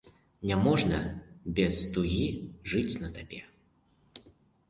Няможна без тугі жыць на табе.